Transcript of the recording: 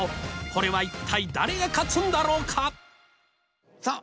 これは一体誰が勝つんだろうかさあ